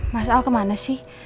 mas al kemana sih